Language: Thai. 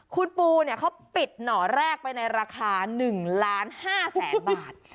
คุณปูเขาปิดหน่อแรกไปในราคา๑ล้าน๕แสนบาท